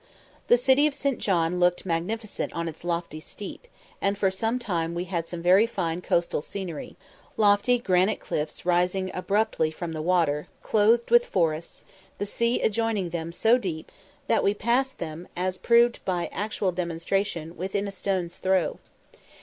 The city of St. John looked magnificent on its lofty steep; and for some time we had some very fine coast scenery; lofty granite cliffs rising abruptly from the water, clothed with forests, the sea adjoining them so deep, that we passed them, as proved by actual demonstration, within a stone's throw.